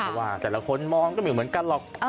เพราะว่าแต่ละคนมองก็ไม่เหมือนกันหรอก